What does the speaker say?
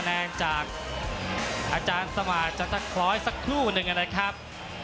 แนนจากอาจารย์สมาธิจตะคล้อยสักครู่หนึ่งนะครับ